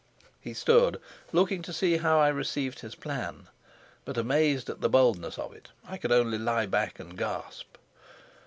He stood, looking to see how I received his plan; but amazed at the boldness of it, I could only lie back and gasp.